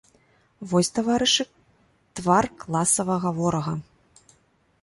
Вось, таварышы, твар класавага ворага!